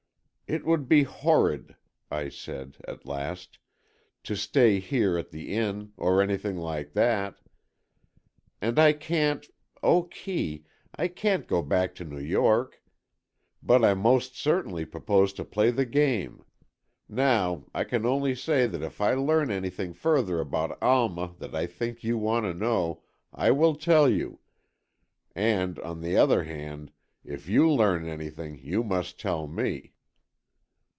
"It would be horrid," I said, at last, "to stay here at the Inn, or anything like that. And I can't—Oh, Kee, I can't go back to New York. But I most certainly propose to play the game. Now, I can only say that if I learn anything further about Alma that I think you want to know, I will tell you, and, on the other hand, if you learn anything, you must tell me."